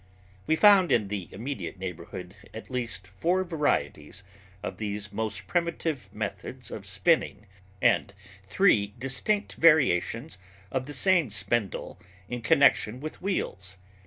We found in the immediate neighborhood at least four varieties of these most primitive methods of spinning and three distinct variations of the same spindle in connection with wheels.